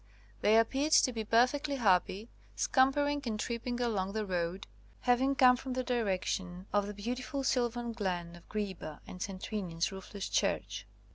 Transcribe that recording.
They appeared to be perfectly happy, scampering and trip ping along the road, having come from the direction of the beautiful sylvan glen of Greeba and St. Trinian's Roofless Church.